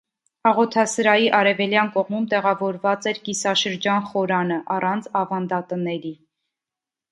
Աղոթասրահի արևելյան կողմում տեղավորված էր կիսաշրջան խորանը, առանց ավանդատների։